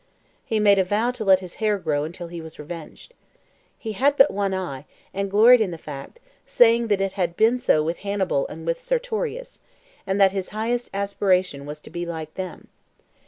He made a vow to let his hair grow until he was revenged. He had but one eye, and gloried in the fact, saying that it had been so with Hannibal and with Sertorius, and that his highest aspiration was to be like them.